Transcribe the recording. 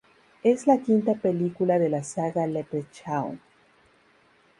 Es la quinta película de la saga Leprechaun.